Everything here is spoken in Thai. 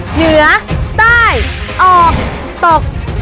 เหนือใต้ออกตก